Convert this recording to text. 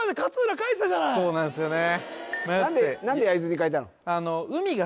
そうなんすよね